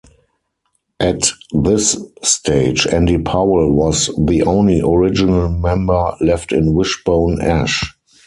At this stage Andy Powell was the only original member left in Wishbone Ash.